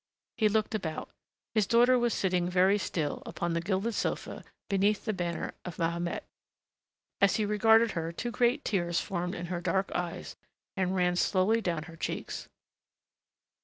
He looked about. His daughter was sitting very still upon the gilded sofa beneath the banner of Mahomet; as he regarded her two great tears formed in her dark eyes and ran slowly down her cheeks.